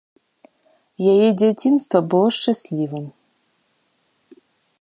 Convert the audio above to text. Яе дзяцінства было шчаслівым.